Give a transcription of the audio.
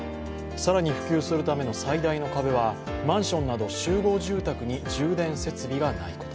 更に普及するための最大の壁はマンションなど集合住宅に充電設備がないこと。